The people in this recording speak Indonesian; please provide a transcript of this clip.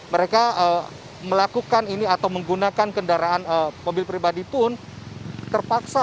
mereka melakukan ini atau menggunakan kendaraan mobil pribadi pun terpaksa